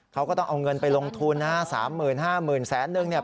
เขาก็ต้องเอาเงินไปลงทุนนะสามหมื่นห้าหมื่นแสนหนึ่งเนี่ย